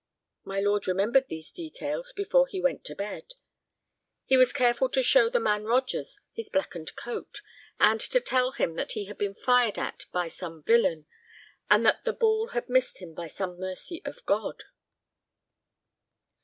My lord remembered these details before he went to bed. He was careful to show the man Rogers his blackened coat, and to tell him that he had been fired at by some villain, but that the ball had missed him by some mercy of God.